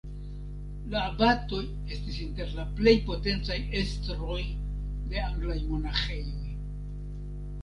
La abatoj estis inter la plej potencaj estroj de anglaj monaĥejoj.